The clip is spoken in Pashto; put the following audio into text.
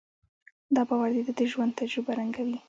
دا باور د ده د ژوند تجربه رنګوي.